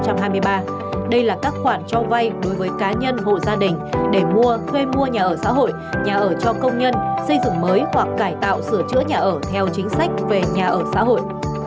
đây là các khoản cho vay đối với cá nhân hộ gia đình để mua thuê mua nhà ở xã hội nhà ở cho công nhân xây dựng mới hoặc cải tạo sửa chữa nhà ở theo chính sách về nhà ở xã hội